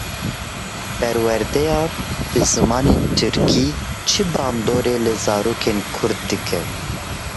Perwerdeya bi zimanê Tirkî çi bandorê li zarokên Kurd dike?.